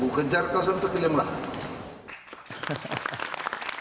kukejar kau sampai keliang lahat